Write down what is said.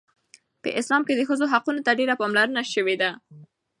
په اسلام کې د ښځو حقوقو ته ډیره پاملرنه شوې ده.